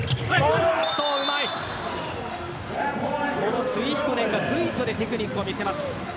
このスイヒコネンが随所でテクニックを見せます。